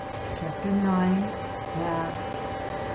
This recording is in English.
r CHAPTER IX. GRASS.